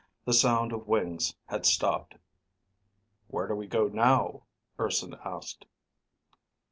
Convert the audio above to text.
The sound of wings had stopped. "Where do we go now?" Urson asked.